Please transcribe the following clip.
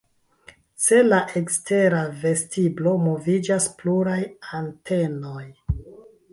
Ce la ekstera vestiblo moviĝas pluraj antenoj.